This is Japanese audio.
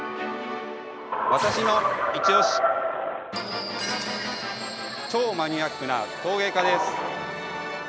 私のいちオシ超マニアックな陶芸家です！